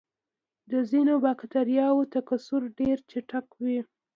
د ځینو بکټریاوو تکثر ډېر چټک وي.